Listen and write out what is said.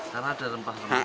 karena ada rempah rempah